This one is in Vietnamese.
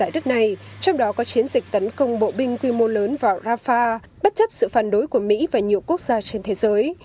trong đó có chiến dịch tấn công bộ binh quy mô lớn vào rafah bất chấp sự phản đối của mỹ và nhiều quốc gia trên thế giới